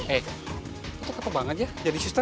eh itu kete banget ya jadi suster